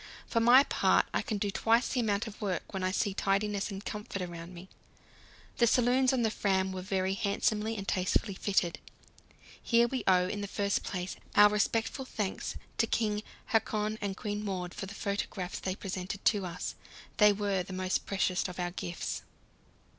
For my part, I can do twice the amount of work when I see tidiness and comfort around me. The saloons on the Fram were very handsomely and tastefully fitted. Here we owe, in the first place, our respectful thanks to King Haakon and Queen Maud for the photographs they presented to us; they were the most precious of our gifts.